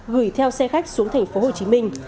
gửi theo xe khách xuống thành phố hồ chí minh